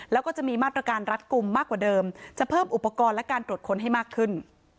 แล้วก็จะมีมาตรการรัดกลุ่มมากกว่าเดิมจะเพิ่มอุปกรณ์และการตรวจค้นให้มากขึ้น